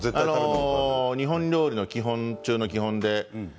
日本料理の基本中の基本で。